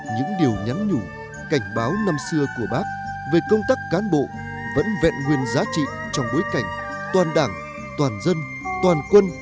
những điều nhắn nhủ cảnh báo năm xưa của bác về công tác cán bộ vẫn vẹn nguyên giá trị trong bối cảnh toàn đảng toàn dân toàn quân